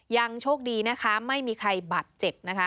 ยังโชคดีนะคะไม่มีใครบาดเจ็บนะคะ